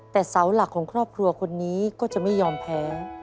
แต่เสาหลักของครอบครัวคนนี้ก็จะไม่ยอมแพ้